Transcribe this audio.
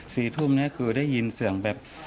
สี่ทุ่มเนี้ยคือได้ยินเสียงแบบ